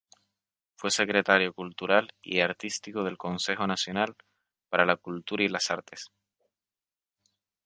Fue Secretario Cultural y Artístico del Consejo Nacional para la Cultura y las Artes.